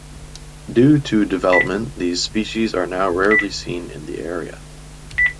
Due to development these species are now rarely seen in the area.